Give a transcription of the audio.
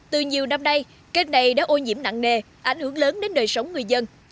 từ nhiều năm nay kênh này đã ô nhiễm nặng nề ảnh hưởng lớn đến đời sống người dân